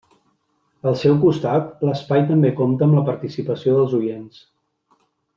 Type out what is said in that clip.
Al seu costat, l'espai també compta amb la participació dels oients.